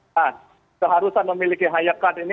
nah keharusan memiliki hayakart ini